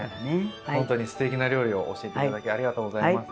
本当にすてきな料理を教えて頂きありがとうございます。